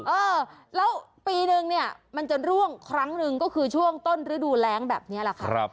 เออแล้วปีนึงเนี่ยมันจะร่วงครั้งหนึ่งก็คือช่วงต้นฤดูแรงแบบนี้แหละค่ะ